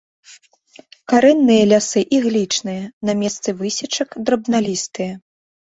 Карэнныя лясы іглічныя, на месцы высечак драбналістыя.